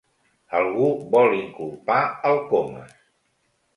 Algú vol inculpar el Comas.